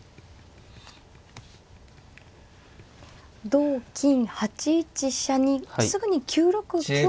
同金８一飛車にすぐに９六香と。